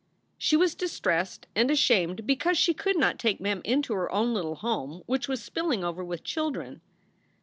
She was distressed and ashamed because she could not take Mem into her own little home, which was spilling over with children.